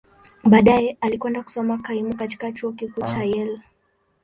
Baadaye, alikwenda kusoma kaimu katika Chuo Kikuu cha Yale.